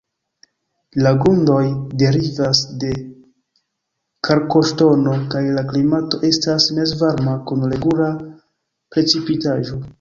La grundoj derivas de kalkoŝtono, kaj la klimato estas mezvarma kun regula precipitaĵo.